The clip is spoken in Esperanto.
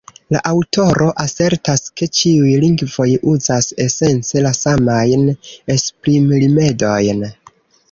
La aŭtoro asertas, ke ĉiuj lingvoj uzas esence la samajn esprimrimedojn.